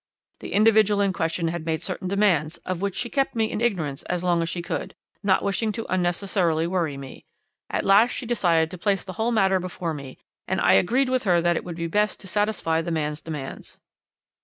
The individual in question had made certain demands, of which she kept me in ignorance as long as she could, not wishing to unnecessarily worry me. At last she decided to place the whole matter before me, and I agreed with her that it would be best to satisfy the man's demands.